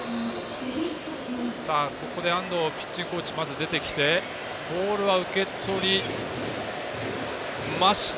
ここで安藤ピッチングコーチ出てきてボールは受け取りました。